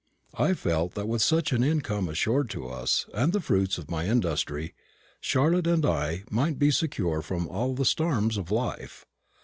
I felt that with such an income assured to us, and the fruits of my industry, Charlotte and I might be secure from all the storms of life.